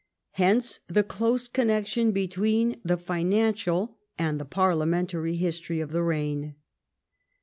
Hence the close connection between the financial and the parliamentary history of the reign.